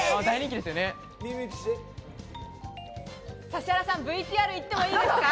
指原さん、ＶＴＲに行ってもいいですか？